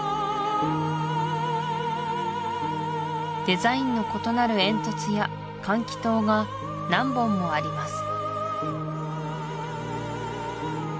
デザインの異なる煙突や換気塔が何本もあります